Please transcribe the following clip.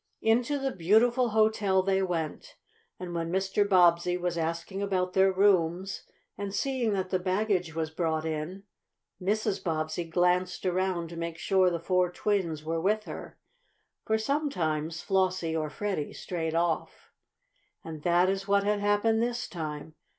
] Into the beautiful hotel they went, and when Mr. Bobbsey was asking about their rooms, and seeing that the baggage was brought in, Mrs. Bobbsey glanced around to make sure the four twins were with her, for sometimes Flossie or Freddie strayed off. And that is what had happened this time.